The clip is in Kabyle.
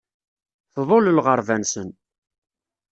Tḍul lɣerba-nsen.